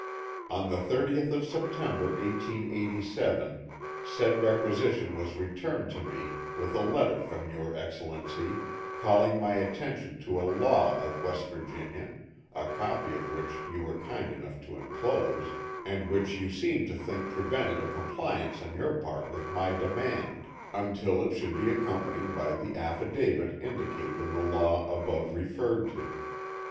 On the 30th of September, 1887, said requisition was returned to me with a letter from your Excellency, calling my attention to a law of West Virginia, a copy of which you were kind enough to enclose, and which you seemed to think prevented a compliance on your part with my demand, until it should be accompanied by the affidavit indicated in the law above referred to.